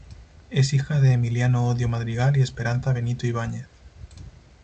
Es hija de Emiliano Odio Madrigal y Esperanza Benito Ibañez.